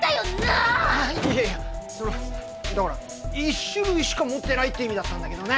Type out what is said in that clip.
あいやいやそれはだから１種類しか持ってないって意味だったんだけどね。